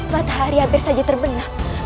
matahari hampir saja terbenam